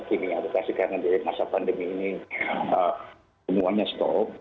semua yang di saat kini ada kasih karena di masa pandemi ini semuanya stop